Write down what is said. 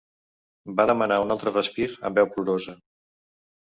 Va demanar un altre respir amb veu plorosa